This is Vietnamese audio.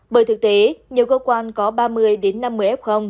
bởi thực tế nhiều cơ quan có ba mươi năm mươi f